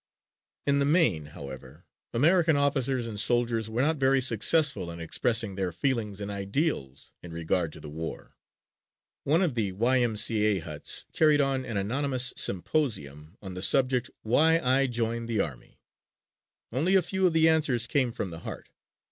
'" In the main, however, American officers and soldiers were not very successful in expressing their feelings and ideals in regard to the war. One of the Y. M. C. A. huts carried on an anonymous symposium on the subject "Why I joined the army." Only a few of the answers came from the heart.